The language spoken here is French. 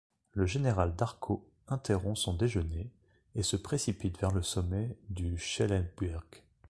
Le général d'Arco, interrompt son déjeuner, et se précipite vers le sommet du Schellenberg.